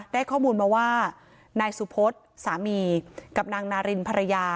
ได้ข้อมูลมาว่านายสุพศสามีกับนางนารินภรรยา